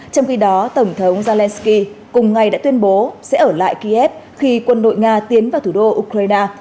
trong khi đó tổng thống zelenskyy cùng ngày đã tuyên bố sẽ ở lại kiev khi quân đội nga tiến vào thủ đô ukraine